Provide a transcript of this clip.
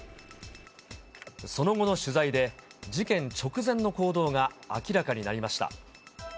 その後の取材で、事件直前の行動が明らかになりました。